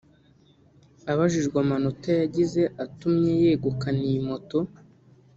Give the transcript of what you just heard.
Abajijwe amanota yagize atumye yegukana iyi moto